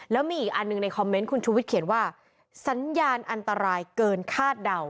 แล้วมีอีกอันหนึ่งในคอมเมนต์คุณชูวิทยเขียนว่าสัญญาณอันตรายเกินคาดเดา